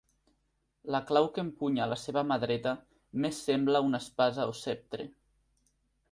La clau que empunya a la seva mà dreta més sembla una espasa o ceptre.